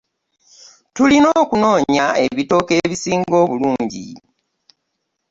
Tulina okunonya ebitooke ebisinga obulungi.